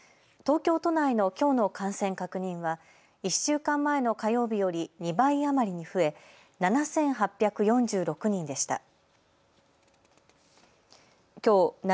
東京都内のきょうの感染確認は１週間前の火曜日より２倍余りに増え７８４６人でした。